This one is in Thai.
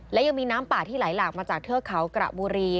และยังมีน้ำป่าที่ไหลหลากมาจากเทือกเขากระบุรี